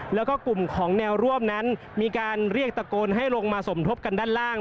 แล้วก็กลุ่มของแนวร่วมนั้นมีการเรียกตะโกนให้ลงมาสมทบกันด้านล่าง